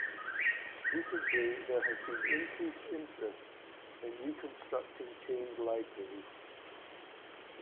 Recently, there has been increased interest in reconstructing chained libraries.